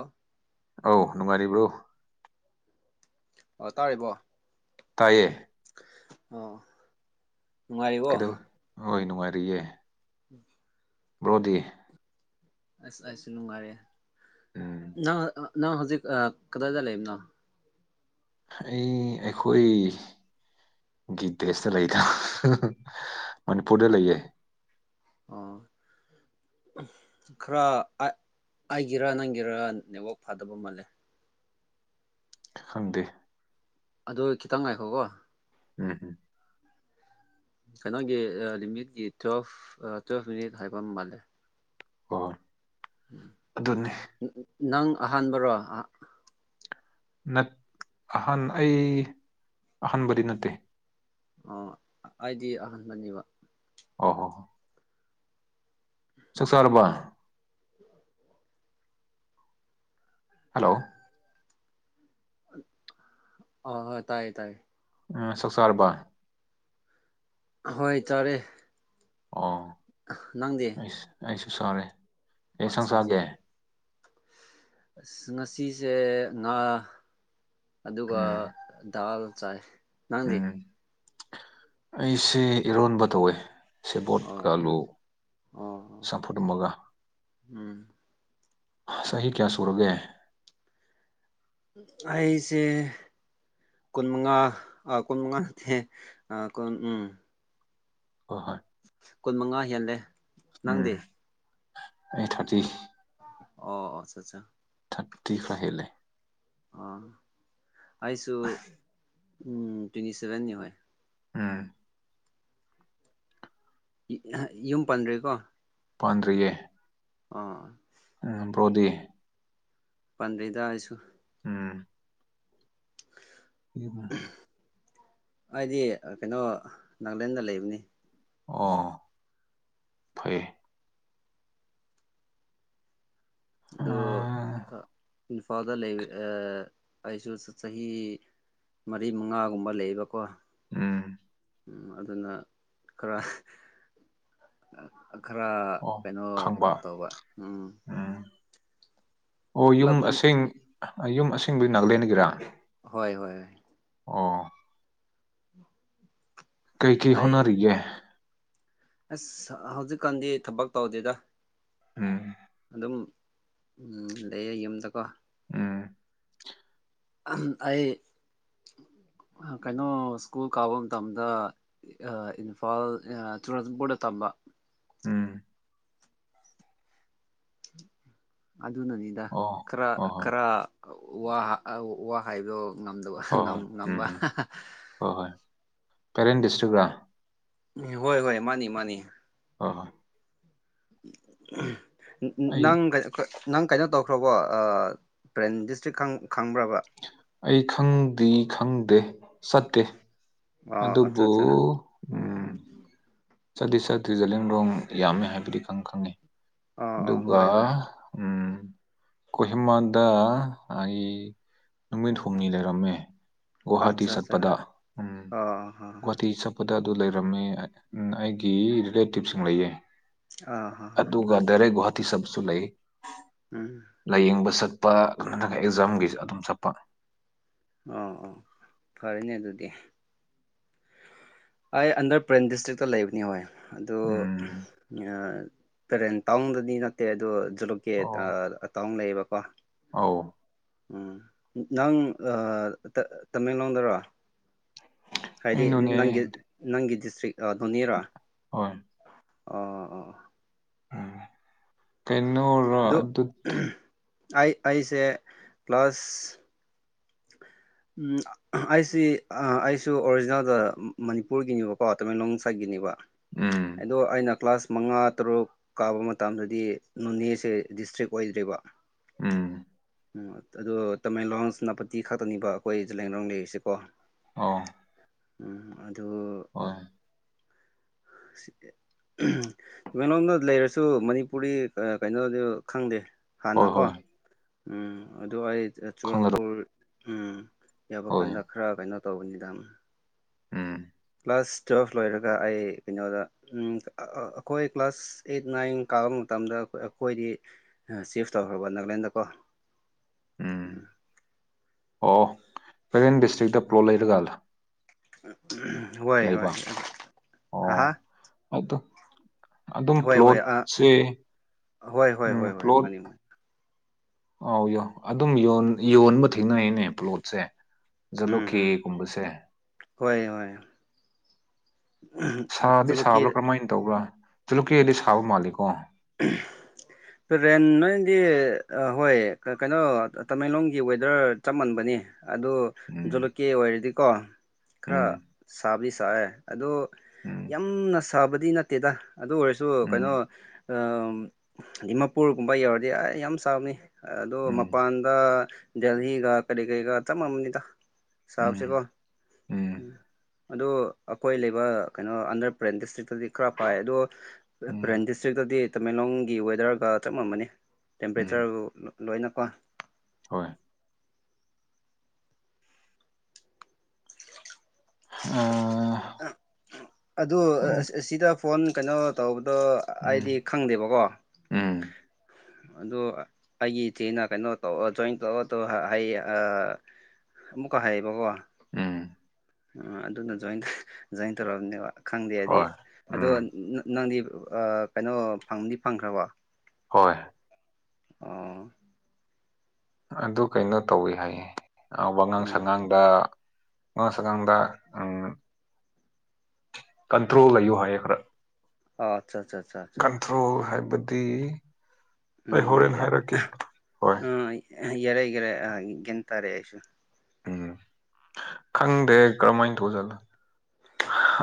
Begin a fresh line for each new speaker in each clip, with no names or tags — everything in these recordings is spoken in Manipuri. ꯑ
ꯑꯧ ꯅꯨꯡꯉꯥꯏꯔꯤꯕ꯭ꯔꯣ
ꯑ ꯇꯥꯔꯤꯕꯣ
ꯇꯌꯦ
ꯑ
ꯀꯗꯣ ꯑꯣꯏꯣꯏ ꯅꯨꯅꯨꯡ ꯃꯥꯔꯤꯌꯦ
ꯎꯝ
ꯔ꯭ꯔꯣꯗꯤ
ꯑꯁꯁ ꯂꯅꯨꯡꯉꯔꯦ
ꯎꯝ
ꯅ ꯍꯧꯖꯤꯛ ꯀꯗꯥꯏ ꯆ ꯂꯩꯦꯅ
ꯑꯩ ꯑꯩꯈꯣꯏ ꯒꯤ ꯗꯦꯁꯇ ꯂꯩꯗ ꯃꯅꯤꯄꯨꯔꯗ ꯂꯩꯌꯦ
ꯑ ꯈꯔ ꯑ ꯑꯩꯒꯤꯔ ꯅꯪꯒꯤꯔ ꯅꯦꯠꯋꯥꯛ ꯐꯥꯗꯕ ꯃꯥꯜꯂꯦ
ꯈꯪꯗꯦ
ꯑꯗꯨ ꯈꯤꯇꯪ ꯉꯥꯏꯈꯣꯀꯣ
ꯎꯝ ꯎꯝ
ꯀꯩꯅꯣꯒꯤ ꯂꯤꯃꯤꯠꯀꯤ ꯇꯨꯋꯦꯜꯐ ꯇꯨꯋꯦꯜꯐ ꯃꯤꯅꯤꯠ ꯍꯥꯏꯕ ꯑꯃ ꯃꯥꯜꯂꯦ
ꯍ
ꯅꯪ ꯑꯍꯥꯟꯕꯔꯣ
ꯑꯍꯟ ꯑꯩ ꯑꯍꯟꯥꯟꯕꯗꯤ ꯅꯠꯇꯦ
ꯑꯣ ꯑꯩꯗꯤ ꯑꯍꯟꯕꯅꯦꯕ
ꯑꯣ ꯍꯣꯣ ꯁꯛꯁꯥꯔꯕꯥꯥ
[unintelligible]
ꯍꯜꯂꯣ
ꯑ ꯍ ꯇꯥꯏꯌꯦ ꯇꯥꯏ
ꯁꯛꯁꯥꯔꯕꯥ
ꯍꯣꯏ ꯇꯔꯦ
ꯑ
ꯅꯪꯗꯤꯦ
ꯁꯔꯦ ꯀ ꯁꯟꯁꯥꯒꯦ
ꯑꯁ ꯉꯁꯤꯁꯦ ꯉꯥ ꯑꯗꯨꯒ
ꯎꯝ
ꯗꯥꯜ ꯆꯥꯏ ꯅꯪꯗꯤ
ꯎꯝ ꯑꯩꯁꯦ ꯏꯔꯣꯟꯕ ꯇꯧꯋꯦ
ꯑꯣ
ꯁꯦꯕꯣꯠꯀꯂꯨ
ꯑꯣ
ꯆꯝꯐꯨꯠꯃꯒ
ꯎꯝ
ꯁꯍꯤ ꯀꯌꯥ ꯁꯔꯒꯦ
ꯑꯩꯁꯦ ꯀꯨꯟ ꯃꯉꯥ ꯑ ꯀꯨꯟ ꯃꯉꯥ ꯑ ꯀꯟ ꯎꯝ
ꯍ ꯍꯣꯏ
ꯀꯨꯟ ꯃꯉꯥ ꯍꯦꯜꯂꯦ
ꯎꯝ
ꯅꯪꯗꯤ
ꯑꯩ ꯊꯗꯤ
ꯑꯣ ꯑꯆꯥ ꯑꯆꯥ
ꯈꯔ ꯍꯦꯜꯂꯦ
ꯑꯣ ꯑꯩꯁꯨ ꯎꯝ ꯇ꯭ꯋꯦꯟꯇꯤ ꯁꯦꯚꯦꯟꯅꯤ ꯍꯣꯏ
ꯎꯝ
ꯌꯨꯝ ꯄꯟ꯭ꯔꯦꯀꯣ
ꯄꯗꯌꯦꯦ
ꯑ
ꯑꯝꯝꯕ꯭ꯔꯣꯗꯤ
ꯄꯟꯗ꯭ꯔꯦꯗ ꯍꯥꯏꯁꯨ
ꯎꯝ ꯀꯃ
ꯑꯩꯗꯤ ꯀꯩꯅꯣ ꯅꯥꯒꯥꯂꯦꯟꯗ ꯂꯩꯕꯅꯤ
ꯑꯣ ꯐꯩ
ꯑꯗ ꯏꯝꯐꯥꯜꯗ ꯂꯩ ꯑꯁꯨꯁ ꯆꯍꯤꯍꯤ ꯃꯔꯤ ꯃꯉꯥꯒꯨꯝꯕ ꯂꯩꯕꯀꯣ
ꯎꯝ
ꯎꯝ ꯑꯗꯨꯅ ꯈꯔ ꯈꯔ
ꯑꯣ
ꯀꯩꯅꯣ
ꯈꯪꯕ
ꯇꯧꯕ ꯎꯝ
ꯎꯝ ꯑꯣ ꯌꯨꯝ
ꯄꯨꯂꯞꯇꯨ
ꯑꯁꯦꯡ ꯌꯨꯝ ꯑꯁꯦꯡꯗꯨꯗꯤ ꯅꯥꯒꯂꯦꯟ ꯗꯒꯤꯔꯥ
ꯍꯣꯏ ꯍꯣꯏ ꯍꯣꯏ
ꯑꯣ ꯀꯩ ꯀꯩ
ꯑꯩ
ꯍꯣꯠꯅꯔꯤꯒꯦ
ꯑꯁ ꯍꯧꯖꯤꯛꯀꯥꯟꯗꯤ ꯊꯕꯛ ꯇꯧꯗꯦꯗ
ꯎꯝ
ꯑꯗꯨꯝ ꯂꯩꯌꯦ ꯌꯨꯝꯗꯀꯣ
ꯎꯝ
ꯑꯩ ꯀꯩꯅꯣ ꯁ꯭ꯀꯨꯜ ꯀꯥꯕ ꯃꯇꯝꯗ ꯏꯝꯐꯥꯜ ꯆꯨꯆꯥꯟꯄꯨꯔꯗ ꯇꯝꯕ
ꯎꯝ
ꯑꯗꯨꯅꯅꯤꯗ
ꯑꯣ
ꯈꯔ
ꯍꯣꯏ ꯍꯣꯏ
ꯈꯔ ꯋꯥ ꯍꯥꯏꯕꯣ ꯉꯝꯗꯕ
ꯍꯣꯏ ꯍꯣꯏ
ꯉꯝꯕ
ꯀꯥꯔꯦꯟ ꯗꯤꯁꯇ꯭ꯔꯤꯛꯔ
ꯎꯝ ꯍꯣꯏ ꯍꯣꯏ ꯃꯥꯅꯤ ꯃꯥꯅꯤ
ꯍꯣꯏ ꯑꯩ
ꯅꯪ ꯅꯪ ꯀꯩꯅꯣ ꯇꯧꯈ꯭ꯔꯕꯣ ꯄ꯭ꯔꯦꯟ ꯗꯤꯁꯇ꯭ꯔꯤꯛ ꯈꯪꯕ꯭ꯔꯕ
ꯑꯩ ꯈꯪꯗꯤ ꯈꯪꯗꯦ ꯆꯠꯇꯦ
ꯑ ꯑꯠꯆꯥ
ꯑꯗꯨꯕꯨ
ꯑꯠꯆꯥ
ꯎꯝ ꯆꯠꯗꯤ ꯆꯠꯗꯔꯤ ꯖꯥꯔꯥꯏꯔꯣꯝ ꯌꯥꯝꯃꯦ ꯍꯥꯏꯕꯗꯤ ꯈꯪ ꯈꯪꯉꯦ
ꯑꯥ ꯑꯥ
ꯑꯗꯨꯒ
ꯍꯣꯏ ꯍꯣꯏ
ꯎꯝ ꯀꯣꯍꯤꯃꯥꯟꯗ ꯑꯩ ꯅꯨꯃꯤꯠ ꯍꯨꯝꯅꯤ ꯂꯩꯔꯝꯃꯦ ꯒꯋꯥꯍꯥꯇꯤ
ꯑꯠꯆꯥ ꯑꯠꯆꯥ
ꯆꯠꯄꯗ ꯎꯝ
ꯑꯥ ꯑꯥ
ꯒꯨꯋꯥꯍꯥꯇꯤ ꯆꯠꯄ ꯗ ꯑꯗꯨ ꯂꯩꯔꯝꯃꯦ ꯑꯩꯒꯤ ꯔꯤꯂꯦꯇꯤꯞꯁꯤꯡ ꯂꯩꯌꯦ
ꯑꯥ
ꯑꯗꯨꯒ ꯗꯥꯏꯔꯦꯛ ꯒꯨꯍꯥꯇꯤ ꯆꯠꯕꯁꯨ ꯂꯩ
ꯎꯝ
ꯂꯥꯏꯌꯦꯡꯕ ꯆꯠ ꯄ ꯅꯠꯇ꯭ꯔꯒ ꯑꯦꯛꯖꯥꯝꯒꯤꯁꯨ ꯑꯗꯨꯝ ꯆꯠꯄ
ꯑꯣ ꯐꯔꯅꯦ ꯑꯗꯨꯗꯤ ꯑꯩ ꯑꯟꯗꯔ ꯄ꯭ꯔꯦꯟ ꯗꯤꯁꯇ꯭ꯔꯤꯛꯇ ꯂꯩꯕꯅꯤ ꯍꯣꯏ ꯑꯗꯨ
ꯎꯝ
ꯄꯦꯔꯦꯟ ꯇꯥꯎꯟꯗꯗꯤ ꯅꯠꯇꯦ ꯑꯗꯣ ꯖꯂꯨꯀꯦ
ꯑꯣ
ꯇꯥꯎ ꯂꯩꯌꯦꯕꯀꯣ
ꯑꯧ
ꯎꯝ ꯅꯪ ꯇꯃꯦꯡꯂꯣꯡꯗꯔꯣ ꯍꯥꯏꯗꯤ
ꯑꯩꯅꯣꯅꯦ
ꯅꯪꯒꯤ ꯅꯪꯒꯤ ꯗꯤꯁꯇ꯭ꯔꯤꯛ ꯅꯣꯅꯦꯔꯣ ꯑ
ꯍꯣꯏ
ꯑ
ꯀꯩꯅꯣꯔ
ꯑꯗꯨ
ꯑꯗꯨꯠ
ꯑꯩ ꯑꯩꯁꯦ ꯀ꯭ꯂꯥꯁ ꯑꯩꯁꯤ ꯑꯩꯁꯨ ꯑꯣꯔꯤꯖꯤꯅꯦꯜꯗ ꯃꯅꯤꯄꯨꯔꯒꯤꯅꯦꯕꯀꯣ ꯇꯃꯦꯡꯂꯣꯡ ꯁꯥꯏꯠꯀꯤꯅꯦꯕ
ꯎꯝ
ꯑꯗꯣ ꯑꯩꯅ ꯀ꯭ꯂꯥꯁ ꯃꯉꯥ ꯇꯔꯨꯛ ꯀꯥꯕ ꯃꯇꯝꯗꯗꯤ ꯅꯣꯅꯦꯁꯦ ꯗꯤꯁꯇ꯭ꯔꯤꯛ ꯑꯣꯏꯗ꯭ꯔꯤꯕ
ꯎꯝ
ꯎꯝ ꯑꯗꯣ ꯇꯃꯦꯡꯂꯣꯡ ꯁꯦꯅꯥꯄꯇꯤ ꯈꯛꯇꯅꯦꯕ ꯑꯩꯈꯣꯏ ꯖꯥꯔꯥꯏꯔꯣꯝ ꯂꯩꯔꯤꯁꯦꯀꯣ
ꯑꯣ
ꯎꯝ ꯑꯗꯨꯗꯣ
ꯍꯣꯏ
[unintelligible] ꯇꯥꯃꯦꯂꯣꯡꯗ ꯂꯩꯔꯁꯨ ꯃꯅꯤꯄꯨꯔꯤ ꯀꯩꯅꯣꯗꯤ ꯈꯪꯗꯦ
ꯍꯣꯏ
ꯍꯥꯟꯅꯀꯣ
ꯍꯣꯏ
ꯎꯝ ꯑꯗꯨ ꯑꯩ
ꯈꯪꯅꯔ
ꯆꯨꯔꯥꯟꯄꯨꯔ ꯎꯝ ꯌꯥꯕ
ꯍꯣꯏ
ꯀꯥꯟꯗ ꯈꯔ ꯀꯩꯅꯣ ꯇꯧꯕꯅꯤꯗ
ꯎꯝ
ꯀ꯭ꯂꯥꯁ ꯇꯨꯌꯦꯦꯜꯐ ꯂꯣꯏꯔꯒ ꯑꯩ ꯀꯩꯅꯣꯗ ꯑꯩꯈꯣꯏ ꯀ꯭ꯂꯥꯁ ꯑꯩꯠ ꯅꯥꯏꯟ ꯀꯥꯕ ꯃꯇꯝꯗ ꯃꯇꯝꯗ ꯑꯩꯈꯣꯏꯗꯤ ꯆꯤꯐ ꯇꯧꯈ꯭ꯔꯕ ꯅꯥꯒꯥꯂꯦꯟꯗꯀꯣ ꯎꯝ
ꯑꯣ ꯄꯦꯔꯦꯟ ꯗꯤꯁꯇ꯭ꯔꯤꯛꯇ ꯄ꯭ꯂꯣꯠ ꯂꯩꯔꯒꯂꯥ
ꯍꯣꯏ ꯍꯣꯏ ꯍꯥ ꯍꯥ
ꯑꯗꯣ ꯑꯗꯨꯝ
ꯍꯣꯏ ꯍꯣꯏ ꯑ
ꯄ꯭ꯂꯣꯠꯁꯦ
ꯍꯣꯏ ꯍꯣꯏ
ꯎꯝ
ꯍꯣꯏ ꯍꯣꯏ
ꯄ꯭ꯂꯣꯠ
ꯃꯥꯅꯤ ꯃꯥꯅꯤ
ꯑꯧ ꯌ ꯑꯗꯨꯝ ꯌꯣꯟꯕ ꯊꯦꯡꯅꯩꯅꯦ ꯄ꯭ꯂꯣꯠꯁꯦ
ꯎꯝ ꯎꯝ
ꯖꯂꯣꯀꯦꯒꯨꯝꯕꯁꯦ
ꯍꯣꯏ ꯍꯣꯏ
ꯁꯥꯗꯤ
ꯑꯗꯨꯃꯛꯀꯤ
ꯁꯥꯕ꯭ꯔꯥ ꯀꯔꯝꯍꯥꯏꯅ ꯇꯧꯕ꯭ꯔꯥ ꯆꯂꯨꯛꯀꯦꯗꯤ ꯁꯥꯕ ꯃꯥꯜꯂꯤꯀꯣ
[inaudible] ꯔꯦꯟ ꯅꯣꯏꯗꯤ ꯍꯣꯏ ꯀꯩꯅꯣ ꯇꯃꯦꯡꯂꯣꯡꯒꯤ ꯋꯦꯗꯔ ꯆꯞ ꯃꯟꯕꯅꯤ ꯑꯗꯨ
ꯎꯝ
ꯖꯣꯂꯨꯀꯦ ꯑꯣꯏꯔꯗꯤꯀꯣ ꯈꯔ
ꯎꯝ
ꯁꯥꯕꯗꯤ ꯁꯛꯑꯦ ꯑꯗꯣ
ꯎꯝ
ꯌꯥꯝꯅ ꯁꯥꯕꯗꯤ ꯅꯠꯇꯦꯗ ꯑꯗꯨ ꯑꯣꯏꯔꯁꯨ ꯀꯩꯅꯣ
ꯎꯝ
ꯗꯤꯃꯥꯄꯨꯔꯒꯨꯝꯕ ꯌꯧꯔꯗꯤ ꯑꯩ ꯌꯥꯝ ꯁꯥꯕꯅꯤ ꯑꯗꯣ
ꯎꯝ
ꯃꯄꯥꯟꯗ ꯗꯦꯜꯍꯤꯒ ꯀꯔꯤ ꯀꯩ ꯀ ꯃꯅꯤ ꯊ ꯁꯥꯕꯁꯤ ꯀꯣ
ꯎꯝ ꯎꯝ
ꯑꯗꯣ ꯑꯩꯈꯣꯏ ꯂꯩꯕ ꯀꯩꯅꯣ ꯑꯟꯗꯔ ꯄꯔꯦꯟ ꯗꯤꯁꯇ꯭ꯔꯤꯛꯇꯗꯤ ꯈꯔ ꯐꯥꯏ ꯑꯗꯣ ꯄꯔꯦꯟ
ꯎꯝ
ꯗꯤꯁꯇ꯭ꯔꯤ ꯏꯁꯁꯇ꯭ꯔꯤꯛꯇꯗꯤ ꯇꯃꯦꯡꯂꯣꯡꯒꯤ ꯋꯦꯗꯔꯒ ꯆꯞ ꯃꯝꯝꯕꯅꯤ ꯇꯦꯝꯄꯔꯦꯆꯔ
ꯎꯝ
ꯂꯣꯏꯅꯀꯣ
ꯍꯣꯏ ꯑ
ꯑ ꯑꯗꯨ
ꯎꯝ
ꯁꯤꯗ ꯐꯣꯟ ꯀꯩꯅꯣ ꯇꯧꯕꯗꯣ
ꯎꯝ
ꯑꯩꯗꯤ ꯈꯪꯗꯦꯕꯀꯣ
ꯎꯝ
[inaudible] ꯑꯗꯨ ꯑꯩꯒꯤ ꯏꯆꯦꯅ ꯀꯩꯅꯣ ꯇꯧꯔ ꯖꯣꯏꯟ ꯇꯧꯔ ꯑꯗꯨ ꯍꯌꯦ ꯀ ꯍ ꯕꯣ
ꯎꯝ
ꯑꯗꯨꯅ ꯖꯣꯏꯟ ꯇꯧꯔꯛꯑꯕꯅꯦꯕ ꯈꯪꯗꯦ ꯍꯥꯏꯗꯤ
ꯍꯣꯏ
ꯑꯗꯣ
ꯎꯝ
ꯅꯪꯗꯤ ꯀꯩꯅꯣ ꯐꯪꯗꯤ ꯐꯪꯈ꯭ꯔꯕꯣ
ꯍꯣꯏ
ꯑꯣ
ꯑꯗꯨ ꯀꯩꯅꯣ ꯇꯧꯏꯤ ꯍꯥꯏꯌꯦ ꯋꯥꯉꯥꯡ
ꯎꯝ
ꯁꯉꯥꯡꯗ ꯑꯗꯨ ꯁꯥꯒꯗ ꯀꯟꯇ꯭ꯔꯣꯜ ꯂꯩꯌꯨ ꯍꯥꯏꯌꯦ ꯈꯔ
ꯑꯣ ꯑꯠꯆꯥ ꯑꯠꯆꯥ ꯑꯠꯆꯥ ꯑꯠꯆꯥ
ꯀꯟꯇ꯭ꯔꯣꯜ ꯍꯥꯏꯕ [inaudible]
ꯎꯝ ꯑ ꯌꯦꯔꯒꯔꯦ ꯒꯤ ꯇꯔꯦ ꯑꯩꯁꯨ
ꯎꯝ ꯈꯪꯗꯦ ꯀꯔꯝꯃꯥꯏꯅ ꯂ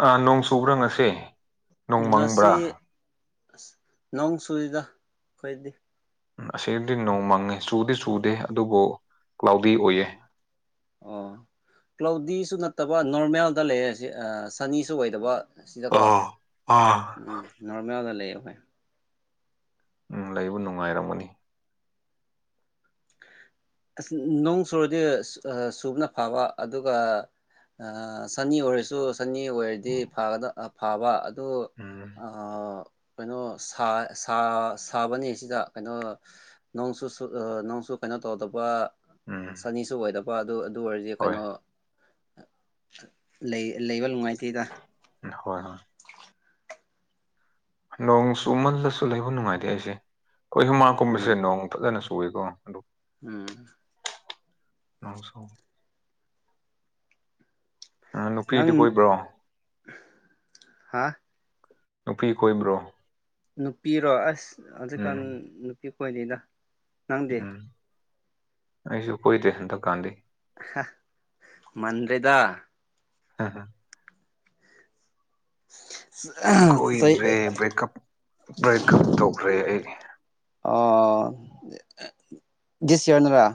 ꯑ ꯅꯣꯡ ꯆꯨꯕ꯭ꯔ ꯉꯁꯦ
ꯉꯁꯤ ꯑ ꯅꯣꯡ ꯁꯨꯗ ꯑꯩꯈꯣꯏꯗꯤ
ꯎ ꯑꯁꯤꯗꯤ ꯅꯣꯡꯃꯪꯉꯤ ꯆꯨꯗꯤ ꯆꯨꯗꯦ ꯑꯗꯨꯕꯨ ꯀ꯭ꯂꯥꯎꯗꯤ ꯑꯣꯏꯌꯦ
ꯁꯨ ꯅꯠꯇꯕ ꯅꯣꯔꯃꯦꯜꯗ ꯂꯩ ꯁꯤ ꯁꯅꯤꯁꯨ ꯑꯣꯏꯗꯕ ꯑꯁꯤꯗꯀꯣ
ꯑꯥ ꯑꯥ
ꯎꯝ ꯅꯣꯔꯃꯦꯜꯗ ꯂꯩꯌꯦ ꯍꯣꯏ
ꯎꯝ ꯂꯩꯕꯨ ꯅꯨꯡꯉꯥꯏꯔꯝꯒꯅꯤ
ꯑꯁ ꯅꯣꯡ ꯁꯨꯔꯗꯤ ꯁꯨꯕꯅ ꯐꯕ ꯑꯗꯨꯒ ꯑ ꯆꯅꯤ ꯑꯣꯏꯔꯁꯨ ꯆꯅꯤ ꯑꯣꯏꯔꯗꯤ ꯐꯒꯗ ꯐꯥꯕ ꯑꯗꯨ
ꯎꯝ
ꯀꯩꯅꯣ ꯁꯥꯕꯅꯦ ꯁꯤꯗ ꯀꯩꯅꯣ ꯅꯣꯡꯆꯨ ꯅꯣꯡꯁꯨ ꯀꯩꯅꯣ ꯇꯧꯗꯕ
ꯎꯝ
ꯁꯅꯤꯁꯨ ꯑꯣꯏꯗꯕ ꯑꯗꯨ ꯑꯗꯨ ꯑꯣꯏꯔꯗꯤ
ꯍꯣꯏ
ꯀꯩꯅꯣ ꯂꯩ ꯂꯩꯕ ꯅꯨꯡꯉꯥꯏ
ꯍꯣꯏ ꯍꯣꯏ ꯅꯣꯡ ꯆꯃꯜꯂꯁꯨ ꯂꯩꯕ ꯅꯨꯡꯉꯥꯏꯇꯦ ꯑꯩꯁꯦ ꯑꯩꯈꯣꯏ ꯍꯨꯃꯥꯡ ꯀꯨꯝꯕꯁꯦ
ꯎꯝ
ꯅꯣꯡ ꯐꯖꯅ ꯇꯋꯦꯀꯣ ꯑꯗꯨꯣ
ꯎꯝ
ꯑ ꯁꯣ ꯅꯨꯄꯤꯗꯤ
ꯅꯪ
ꯀꯣꯏꯕ꯭ꯔꯣ
ꯍꯥ
ꯅꯨꯄꯤ ꯀꯣꯏꯕ꯭ꯔꯣ
ꯅꯨꯄꯤꯔꯣ ꯑꯁ ꯍꯧꯖꯤꯛꯀꯥꯟ
ꯎꯝ
ꯅꯨꯄꯤ ꯀꯣꯏꯗꯗ ꯅꯪꯗꯦ
ꯎꯝ ꯑꯩꯁꯨ ꯀꯣꯏ ꯇ ꯍꯟꯗ ꯀꯥꯟꯗꯤ
ꯃꯟ꯭ꯔꯗ
ꯍ
[inaudible] ꯆꯍꯤ
ꯀꯣꯏꯗ꯭ꯔꯦ ꯕ꯭ꯔꯦꯀꯞ ꯇꯧꯈ꯭ꯔꯦ ꯑꯩ
ꯑꯣ ꯁꯌ ꯅ꯭ꯔꯥ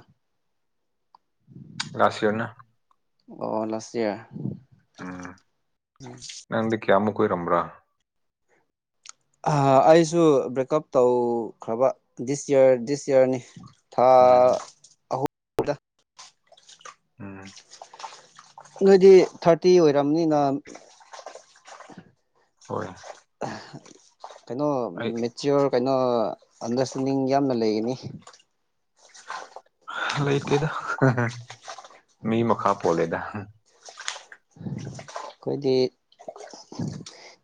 ꯂꯁꯤꯣꯅ
ꯑꯣ ꯂꯥꯁ
ꯎꯝ ꯅꯪꯗꯤ ꯀꯌꯥꯃꯨꯛ ꯀꯣꯏ ꯔꯝ꯭ꯔꯥ
ꯑꯩꯁꯨ ꯕ꯭ꯔꯦꯛꯀꯞ ꯇꯧꯈ꯭ꯔꯕ ꯗꯤꯁ ꯌꯔ ꯗꯤꯁ ꯌꯔꯅꯤ ꯊꯥ
ꯎꯝ
ꯑꯍꯨꯝꯗ
ꯎꯝ
ꯅꯣꯏꯗꯤ ꯊꯥꯔꯇꯤ ꯑꯣꯏꯔꯝꯅꯤꯅ
ꯍꯣꯏ
ꯀꯩꯅꯣ
ꯑꯩ
ꯃꯦꯆꯌꯔ ꯀꯩꯅꯣ ꯑꯟꯗꯔꯁꯇꯦꯟꯗꯤꯡ ꯌꯥꯝꯅ ꯂꯩꯒꯅꯤ
ꯂꯩꯇꯦꯗ ꯃꯤ ꯃꯈꯥ ꯄꯣꯂꯦꯗ
ꯑꯩꯈꯣꯏꯗꯤ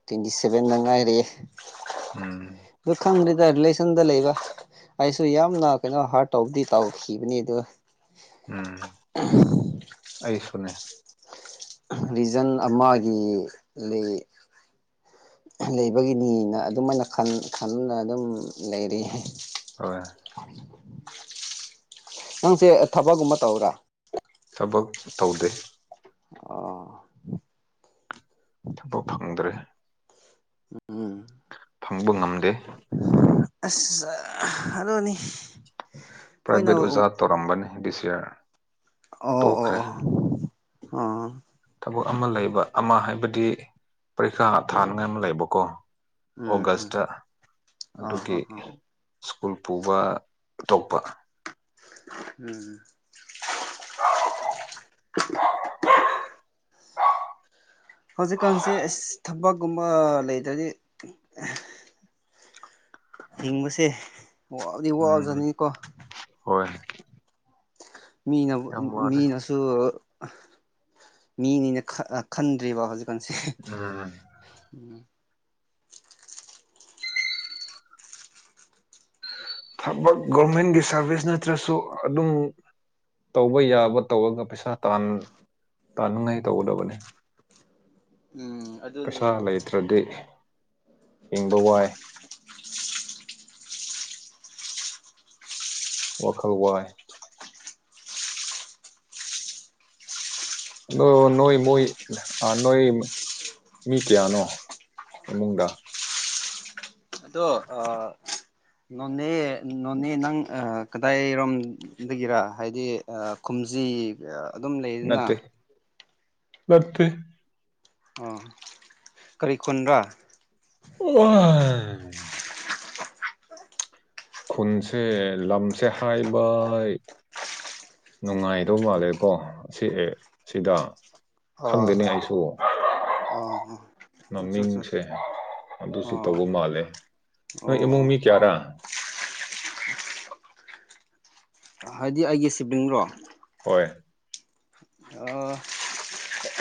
ꯇ꯭ꯋꯦꯟꯇꯤ ꯁꯦꯚꯦꯟꯗ ꯉꯥꯏꯔꯛꯑꯦ
ꯎꯝ
ꯂ ꯈꯪ ꯑꯗ ꯔꯤꯂꯦꯁꯟꯗ ꯂꯩꯕ ꯑꯩꯁꯨ ꯌꯥꯝꯅ ꯀꯩꯅꯣ ꯍꯥꯔꯠ ꯇꯧꯕꯗꯤ ꯇꯧꯈꯤꯕꯅꯤ ꯑꯗꯨꯒ
ꯎꯝ ꯑꯩꯁꯨꯅꯦ
ꯔꯤꯖꯟ ꯑꯃꯒꯤ ꯂꯩ ꯂꯩꯕꯒꯤꯅꯤꯅ ꯑꯗꯨꯃꯥꯏꯅ ꯈꯅ ꯑꯗꯨꯝ ꯂꯩꯔꯤ
ꯍꯣꯏ
ꯅꯪꯁꯦ ꯊꯕꯛꯒꯨꯝꯕ ꯇꯧꯕꯔꯥ
ꯊꯕꯛ ꯇꯧꯗꯦ
ꯑꯣ
ꯊꯕꯛ ꯐꯪꯗ꯭ꯔꯦ
ꯎꯝ
ꯐꯪꯕ ꯉꯝꯗꯦ
ꯑꯁ ꯑꯗꯨꯅꯤ ꯑꯩꯈꯣꯏꯅ
ꯄ꯭ꯔꯥꯏꯚꯦꯠ ꯑꯣꯖꯥ
ꯑꯣ
ꯇꯧꯔꯝꯕꯅꯤ ꯕꯤ ꯁꯤꯌꯥꯔ
ꯑꯣ ꯑꯣ ꯑꯣ ꯑ
ꯊꯕꯛ ꯑꯃ ꯂꯩꯕ ꯑꯃ ꯍꯥꯏꯕꯗꯤ ꯄꯔꯤꯈꯥ ꯊꯥꯅꯤꯡꯉꯥꯏ ꯑꯃ ꯂꯩꯕꯀꯣ
ꯎꯝ ꯎꯝ
ꯑꯣꯒꯁꯇ
ꯑ ꯍ
ꯑꯗꯨꯒꯤ
ꯍ
ꯁ꯭ꯀꯨꯜ ꯄꯨꯕ ꯑꯇꯣꯞꯄ
ꯎꯝ ꯍꯧꯖꯤꯛꯀꯥꯟꯁꯦ ꯑꯁ ꯊꯕꯛꯀꯨꯝꯕ ꯂꯩꯗ꯭ꯔꯗꯤ ꯍꯤꯡꯕꯁꯦ ꯋꯥꯎꯗꯤ
ꯎꯝ
ꯋꯥꯎꯖꯅꯤꯀꯣ
ꯍꯣꯏ
ꯃꯤꯅ
ꯌꯥꯝ ꯋꯥꯔꯦ
ꯃꯤꯅꯁꯨ ꯃꯤꯅꯤꯅ ꯈꯟꯗ꯭ꯔꯤꯕ ꯍꯧꯖꯤꯛ ꯁꯤꯝ
ꯎꯝ ꯊꯕꯛ ꯒꯣꯔꯃꯦꯟꯒꯤ ꯁꯥꯔꯚꯤꯁ ꯅꯠꯇ꯭ꯔꯁꯨ ꯑꯗꯨꯝ ꯇꯧꯕ ꯌꯥꯕ ꯇꯧꯔꯒ ꯄꯩꯁꯥ ꯇꯥꯅꯤꯡꯉꯥꯏ ꯇꯧꯒꯗꯕꯅꯤ
ꯎꯝ ꯑꯗꯨꯅꯤ
ꯄꯩꯁꯥ ꯂꯩꯇ꯭ꯔꯗꯤ ꯍꯪꯕ ꯋꯥꯏ ꯋꯥꯈꯜ ꯋꯥꯏ ꯅꯣꯣꯏ ꯃꯣꯏꯣꯏ ꯑ ꯅꯣꯏ ꯃꯤ ꯀꯦꯌꯥꯅꯣ ꯏꯃꯨꯡꯗꯥ
ꯑꯗꯣ ꯑ ꯅꯣꯅꯦ ꯅꯣꯅꯦ ꯅꯪ ꯀꯗꯥꯏꯔꯣꯝꯗꯒꯤꯔ ꯍꯥꯏꯗꯤ ꯍꯧꯖꯤ ꯑꯗꯨꯝ ꯂꯩꯗꯅ
ꯂꯠꯇ
ꯑ ꯀꯔꯤ ꯈꯨꯟꯕ꯭ꯔꯥ
ꯑ ꯈꯨꯟꯁꯦ ꯂꯝꯁꯦ ꯍꯥꯏꯕꯩ ꯅꯨꯡꯉꯥꯏꯗꯧ ꯃꯥꯜꯂꯦꯀꯣ ꯑꯁꯤ ꯑꯦ ꯑꯁꯤꯗ
ꯑꯣ
ꯈꯪꯗꯅꯤ ꯑꯩꯁꯨ
ꯑꯣ ꯑꯆꯥ ꯑꯆꯥ
ꯃꯃꯤꯡꯁꯦ
ꯑꯆꯥ
ꯑꯗꯨꯁꯨ
ꯑꯣ
ꯇꯧꯕ ꯃꯥꯜꯂꯦ ꯅꯣꯏ ꯏꯃꯨꯡ
ꯑꯣ
ꯃꯤ ꯀꯌꯥꯔꯥ
ꯍꯥꯏꯗꯤ ꯑꯩꯒꯤ ꯁꯤꯕ꯭ꯡ꯭ꯔꯣ
ꯍ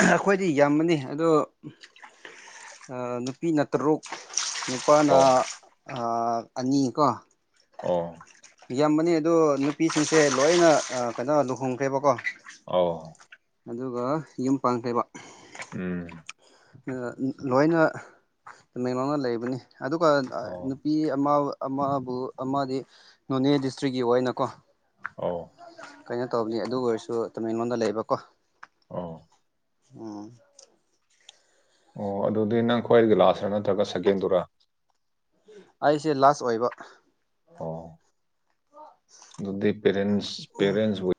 ꯑꯩꯈꯣꯏꯗꯤ ꯌꯥꯝꯃꯅꯤ ꯑꯗꯣ ꯅꯨꯄꯤꯅ ꯇꯔꯨꯛ ꯅꯨꯄꯥꯅ
ꯑꯣ
ꯑꯅꯤꯀꯣ
ꯑꯣ
ꯌꯥꯝꯕꯅꯤ ꯑꯗꯣ ꯅꯨꯄꯤꯁꯤꯡꯁꯦ ꯂꯣꯏꯅ ꯀꯩꯅꯣ ꯂꯨꯍꯣꯡꯈ꯭ꯔꯦꯕꯀꯣ
ꯑꯥꯎ
ꯑꯗꯨꯒ ꯌꯨꯝ ꯄꯥꯡꯈ꯭ꯔꯩꯕ
ꯎꯝ
ꯂꯣꯏꯅ ꯇꯃꯦꯡꯂꯧꯅ ꯂꯩꯕꯅꯤ ꯑꯗꯨꯒ
ꯑꯣ
ꯅꯨꯄꯤ ꯑꯃ ꯑꯃꯕꯨ ꯑꯃꯗꯤ ꯅꯣꯅꯦ ꯗꯤꯁꯇ꯭ꯔꯤꯛꯀꯤ ꯑꯣꯏꯅꯀꯣ
ꯑꯣ
ꯀꯩꯅꯣ ꯇꯧꯕꯅꯤ ꯑꯗꯨ ꯑꯣꯏꯔꯁꯨ ꯇꯃꯦꯡꯂꯣꯗ ꯂꯩꯕꯀꯣ
ꯑ
ꯑꯣ
ꯑꯣ ꯑꯗꯨꯗꯤ ꯅꯪ ꯈ꯭ꯋꯥꯏꯗꯒꯤ ꯂꯥꯁꯔꯥ ꯅꯠꯇ꯭ꯔꯒ ꯁꯦꯀꯦꯟꯗꯨꯔ
ꯁꯦ ꯂꯥꯁ ꯑꯣꯏꯕ
ꯑꯣ ꯑꯗꯨꯗꯤ ꯄꯦꯔꯦꯟꯁ ꯄꯦꯔꯦꯟꯁ ꯑꯣꯏ